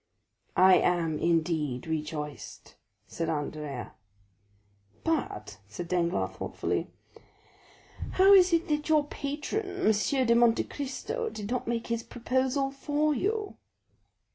"I am, indeed, rejoiced," said Andrea. "But," said Danglars thoughtfully, "how is it that your patron, M. de Monte Cristo, did not make his proposal for you?"